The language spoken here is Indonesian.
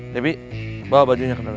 tapi bawa bajunya ke dalam